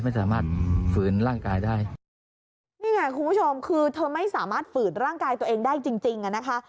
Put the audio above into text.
ไม่สามารถฝืนร่างกายได้นี่ไงคุณผู้ชมคือเธอไม่สามารถฝืนร่างกายตัวเองได้จริงจริงอ่ะนะคะ